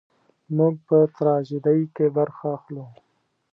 موږ په تراژیدۍ کې برخه اخلو.